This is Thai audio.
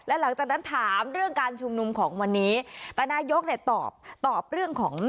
หลังจากนั้นถามเรื่องการชุมนุมของวันนี้แต่นายกเนี่ยตอบตอบเรื่องของ